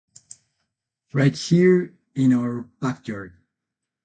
Right here in our backyard.